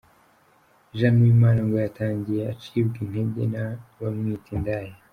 Jane Uwimana ngo yatangiye acibwa intege n’abamwita indaya.